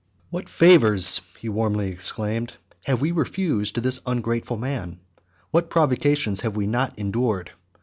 "What favors," he warmly exclaimed, "have we refused to this ungrateful man? What provocations have we not endured!